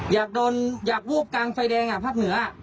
อยากโดนอยากวูบกลางไฟแดงภาคเหนือ